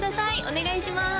お願いします！